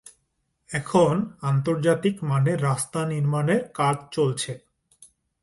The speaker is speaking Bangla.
এখন আন্তর্জাতিক মানের রাস্তা নির্মাণের কাজ চলছে।